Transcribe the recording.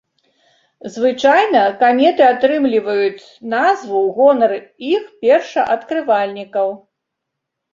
Звычайна каметы атрымліваюць назву ў гонар іх першаадкрывальнікаў.